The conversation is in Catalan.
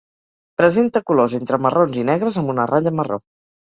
Presenta colors entre marrons i negres, amb una ratlla marró.